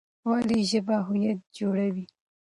ولې ژبه هویت جوړوي؟